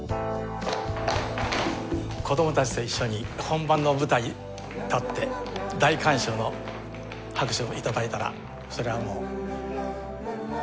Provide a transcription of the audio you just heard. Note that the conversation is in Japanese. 子供たちと一緒に本番の舞台に立って大観衆の拍手を頂いたらそりゃあもう快感ですね。